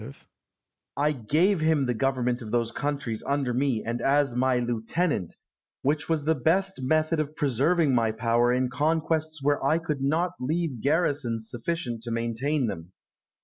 Alexander. I gave him the government of those countries under me and as my lieutenant, which was the best method of preserving my power in conquests where I could not leave garrisons sufficient to maintain them.